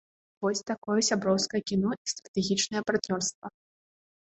Вось такое сяброўскае кіно і стратэгічнае партнёрства.